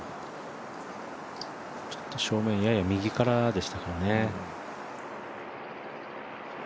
ちょっと正面やや右からでしたからね。